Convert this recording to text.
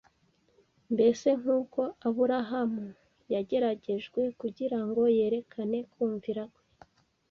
Mbese nk’uko Aburahamu yageragerejwe kugira ngo yerekane kumvira kwe